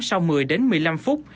sau một mươi đến một mươi năm phút